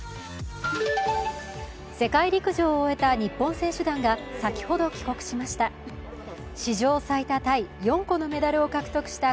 世界陸上を終えた日本選手団が先ほど帰国しました。